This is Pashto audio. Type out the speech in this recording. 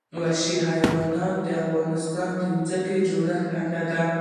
وحشي حیوانات د افغانستان د ځمکې د جوړښت نښه ده.